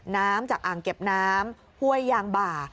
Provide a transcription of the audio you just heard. น้ำจากอ่างเก็บน้ำห้วยยางบ่า